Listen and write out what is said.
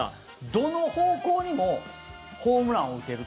どの方向にもホームランを打てると。